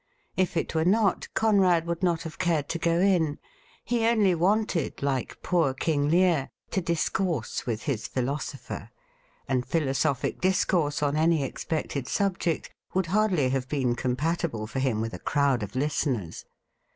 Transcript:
If it were not, Conrad would not have cared to go in. He onlj wanted, like poor King Lear, to discourse with his philo sopher ; and philosophic discourse on any expected subject would hardly have been compatible for him with a crowd of listeners.